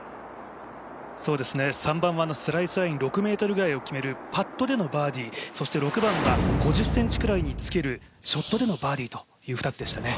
３番はスライスライン６ｍくらいを決めるパットでのバーディー、そして６番は５０ｃｍぐらいにつけるショットでのバーディーという２つでしたね。